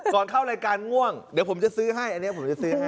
ก่อนเข้ารายการง่วงเดี๋ยวผมจะซื้อให้อันนี้ผมจะซื้อให้